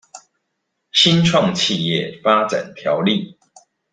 新創企業發展條例